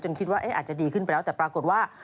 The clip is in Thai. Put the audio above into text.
คิดว่าอาจจะดีขึ้นไปแล้วแต่ปรากฏว่า